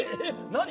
なに？